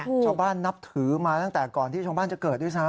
ชาวบ้านนับถือมาตั้งแต่ก่อนที่ชาวบ้านจะเกิดด้วยซ้ำ